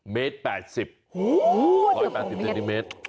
เมตร๘๐๑๘๐เซนติเมตร